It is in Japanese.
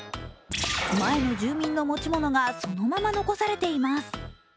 前の住民の持ち物がそのまま残されています。